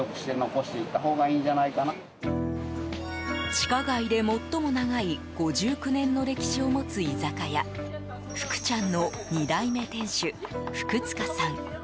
地下街で最も長い５９年の歴史を持つ居酒屋、福ちゃんの２代目店主、福塚さん。